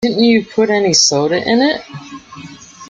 Didn't you put any soda in it?